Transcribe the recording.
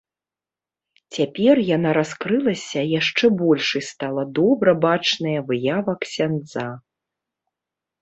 Цяпер яна раскрылася яшчэ больш і стала добра бачная выява ксяндза.